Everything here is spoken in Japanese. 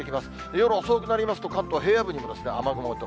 夜遅くなりますと、関東平野部にも雨雲と。